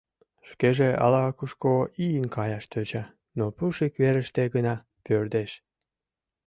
Шкеже ала-кушко ийын каяш тӧча, но пуш ик верыште гына пӧрдеш.